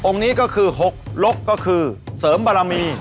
องค์นี้ก็คือหกลกก็คือเสริมปารามี